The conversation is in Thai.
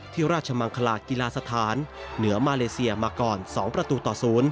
ราชมังคลากีฬาสถานเหนือมาเลเซียมาก่อน๒ประตูต่อ๐